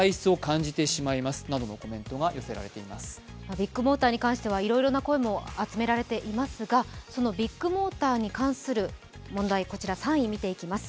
ビッグモーターに関してはいろいろな声も集められていますがそのビッグモーターに関する問題、３位見ていきます。